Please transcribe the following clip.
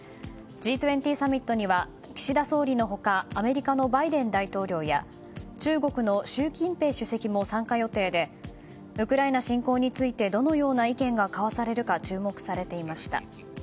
Ｇ２０サミットには岸田総理の他アメリカのバイデン大統領や中国の習近平主席も参加予定でウクライナ侵攻についてどのような意見が交わされるか注目されていました。